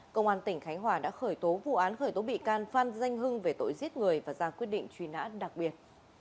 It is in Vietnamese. công an tỉnh khánh hòa đã khởi tố vụ án khởi tố bị can phan danh hưng về tội giết người và ra quyết định truy nã đặc biệt